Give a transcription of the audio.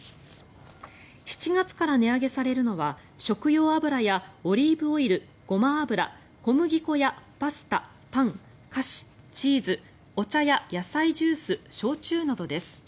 ７月から値上げされるのは食用油やオリーブオイル、ごま油小麦粉やパスタ、パン菓子、チーズお茶や野菜ジュース焼酎などです。